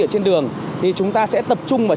ở trên đường thì chúng ta sẽ tập trung vào